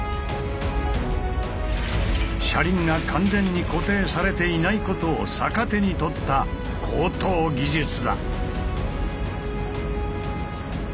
車輪が完全に固定されていないことを逆手に取った高等技術だ！